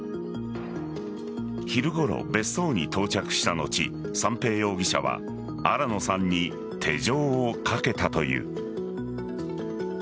昼ごろ、別荘に到着した後三瓶容疑者は新野さんに手錠をかけたという。